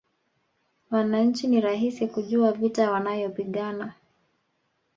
Wananchi ni rahisi kujua vita wanayopigana